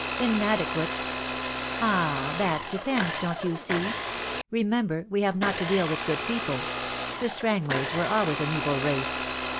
"Inadequate! Ah, that depends, don't you see. Re member, we have not to deal with good people. The Strangways were always an evil race.